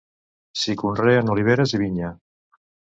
S'hi conreen oliveres i vinya.